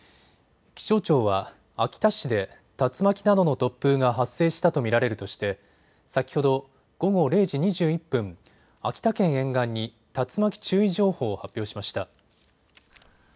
気象庁は秋田市で竜巻などの突風が発生したと見られるとして先ほど午後０時２１分、秋田県沿岸に竜巻注意情報を発表しました。